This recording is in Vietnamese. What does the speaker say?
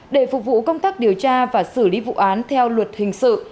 để phục vụ công tác điều tra và xử lý vụ án theo luật hình sự